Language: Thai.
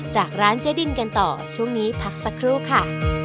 จากร้านเจ๊ดินกันต่อช่วงนี้พักสักครู่ค่ะ